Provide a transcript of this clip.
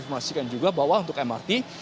kami juga memastikan juga bahwa untuk mrt